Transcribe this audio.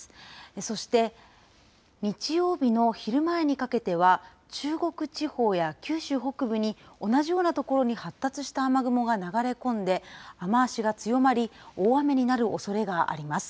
そして、日曜日の昼前にかけては、中国地方や九州北部に、同じような所に発達した雨雲が流れ込んで、雨足が強まり、大雨になるおそれがあります。